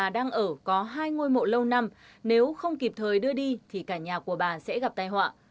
bà đang ở có hai ngôi mộ lâu năm nếu không kịp thời đưa đi thì cả nhà của bà sẽ gặp tai họa